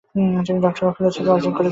তিনি doctor of philosophy degree অর্জন করেন।